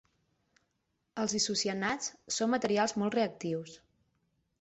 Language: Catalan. Els isocianats són materials molt reactius.